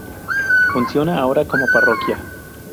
Funciona ahora como parroquia.